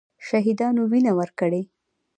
شهیدانو وینه ورکړې.